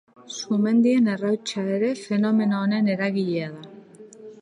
Sumendien errautsa ere fenomeno honen eragilea da.